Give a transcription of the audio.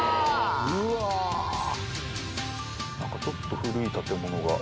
「うわー」なんかちょっと古い建物が。